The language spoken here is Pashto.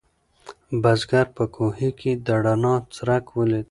بزګر په کوهي کې د رڼا څرک ولید.